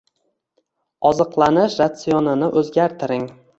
Oziqlanish rasionini o`zgartiring